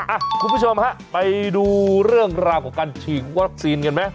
คุณผู้ชมฮะไปดูเรื่องราวของการฉีดวัคซีนกันไหม